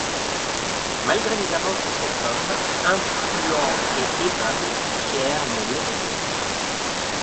Malgré les avances de cet homme influent et aimable, Pierre ne l'aimait guère.